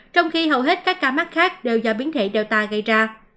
trong khi hầu hết các ca mắc khác đều do biến thể data gây ra